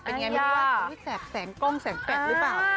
เป็นยังไงครับแสงกล้องแสงแปดหรือเปล่า